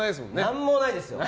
何もないですよ。